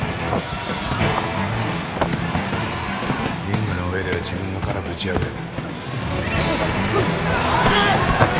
リングの上では自分の殻ぶち破れ。